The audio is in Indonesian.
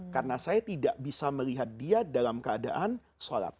karena saya tidak bisa melihat dia dalam keadaan sholat